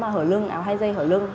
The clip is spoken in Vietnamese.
hở lưng áo hai dây hở lưng